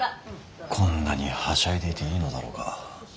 こんなにはしゃいでいていいのだろうか。